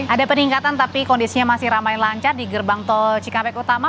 ada peningkatan tapi kondisinya masih ramai lancar di gerbang tol cikampek utama